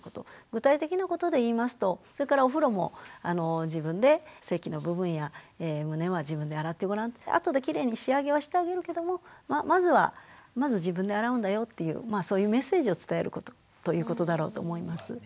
具体的なことで言いますとお風呂も自分で性器の部分や胸は自分で洗ってごらんあとでキレイに仕上げはしてあげるけどもまずはまず自分で洗うんだよっていうそういうメッセージを伝えることということだろうと思います。